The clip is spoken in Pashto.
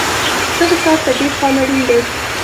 دغه کار ته ډېر پام اړین دی.